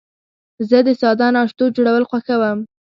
زه د ساده ناشتو جوړول خوښوم.